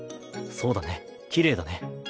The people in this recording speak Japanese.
そうだねきれいだね。